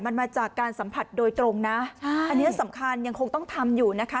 มันมาจากการสัมผัสโดยตรงนะใช่อันนี้สำคัญยังคงต้องทำอยู่นะคะ